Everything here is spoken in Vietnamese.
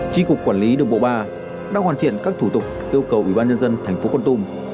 tri cục quản lý đường bộ ba đang hoàn thiện các thủ tục yêu cầu ủy ban nhân dân thành phố con tum